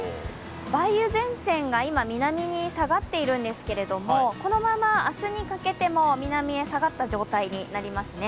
梅雨前線が今、南に下がっているんですけれども、このまま明日にかけても南へ下がった状態になりますね。